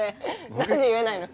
何で言えないの？